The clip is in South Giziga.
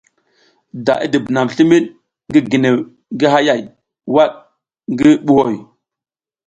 Da i dibunam limid ngi ginew ngi hayay wad ngi buhoy.